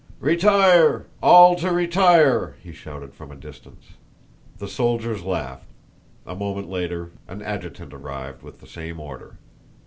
"Retire! All to retire!" he shouted from a distance. The soldiers laughed. A moment later, an adjutant arrived with the same order.